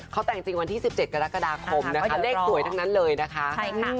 เขาแต่งจริงวันที่๑๗กรกฎาคมนะคะเลขสวยทั้งนั้นเลยนะคะใช่ค่ะ